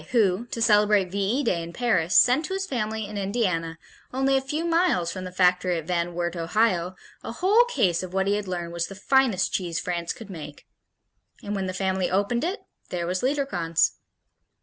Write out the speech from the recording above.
who, to celebrate V E Day in Paris, sent to his family in Indiana, only a few miles from the factory at Van Wert, Ohio, a whole case of what he had learned was "the finest cheese France could make." And when the family opened it, there was Liederkranz.